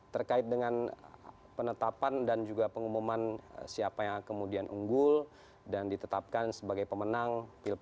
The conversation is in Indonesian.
terkait dengan penetapan dan juga pengumuman siapa yang kemudian unggul dan ditetapkan sebagai pemenang pilpres